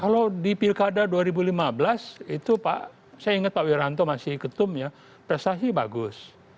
kalau di pilkada dua ribu lima belas itu pak saya ingat pak wiranto masih ketum ya prestasi bagus